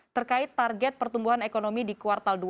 terkait target pertumbuhan ekonomi di kuartal dua